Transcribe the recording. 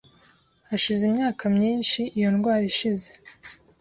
Hashize imyaka myinshi iyo ndwara ishize